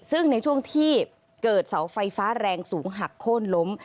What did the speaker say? ซึ่งในช่วงที่เกิดเสาไฟฟ้าแรงสูงหักโค้นล้ม